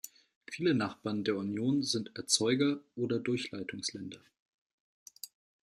Viele Nachbarn der Union sind Erzeugeroder Durchleitungsländer.